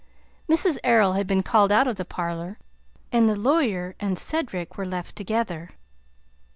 Mrs. Errol had been called out of the parlor, and the lawyer and Cedric were left together.